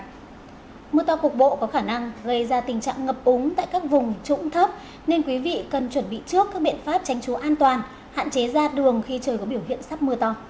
mưa to cục bộ có khả năng gây ra tình trạng ngập úng tại các vùng trũng thấp nên quý vị cần chuẩn bị trước các biện pháp tránh chú an toàn hạn chế ra đường khi trời có biểu hiện sắp mưa to